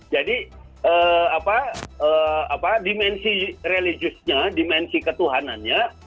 jadi apa dimensi religiusnya dimensi ketuhanannya